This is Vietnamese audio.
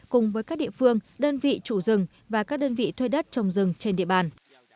cùng với các địa phương đơn vị chủ rừng và các đơn vị thuê đất trồng rừng trên địa bàn